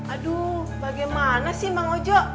aduh bagaimana sih bang ojo